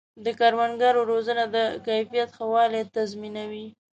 د کروندګرو روزنه د کیفیت ښه والی تضمینوي.